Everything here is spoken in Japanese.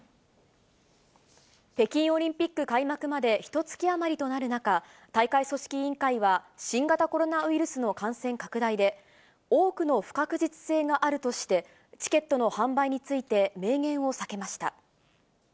北京オリンピック開幕までひとつき余りとなる中、大会組織委員会は新型コロナウイルスの感染拡大で、多くの不確実性があるとして、チケットの販売について明言を避けました。